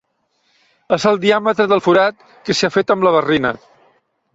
És el diàmetre del forat que s'ha fet amb la barrina.